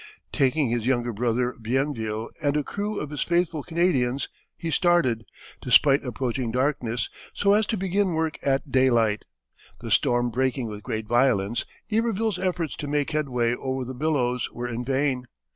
Taking his younger brother Bienville and a crew of his faithful Canadians he started, despite approaching darkness, so as to begin work at day light; the storm breaking with great violence, Iberville's efforts to make headway over the billows were in vain.